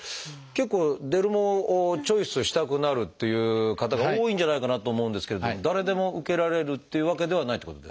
結構デルモをチョイスしたくなるっていう方が多いんじゃないかなと思うんですけれども誰でも受けられるっていうわけではないってことですか？